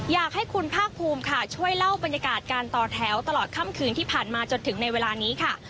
อยากให้คุณภาคภูมิค่ะช่วยเล่าบรรยากาศการต่อแถวตลอดค่ำคืนที่ผ่านมาจนถึงในเวลานี้ค่ะ